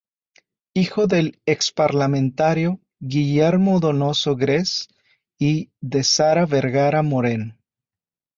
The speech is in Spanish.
Hijo del ex parlamentario Guillermo Donoso Grez y de Sara Vergara Moreno.